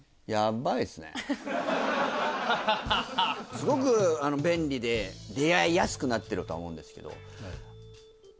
すごく便利で出会いやすくなってるとは思うんですけど。